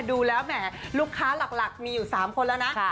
ดูแล้วแหมลูกค้าหลักมีอยู่๓คนแล้วนะ